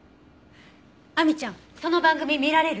亜美ちゃんその番組見られる？